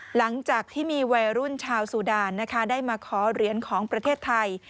หลังจากที่มีวัยรุ่นชาวซูดานนะคะได้มาขอเหรียญของประเทศไทย